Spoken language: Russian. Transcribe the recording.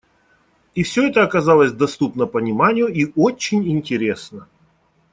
И всё это оказалось доступно пониманию и очень интересно.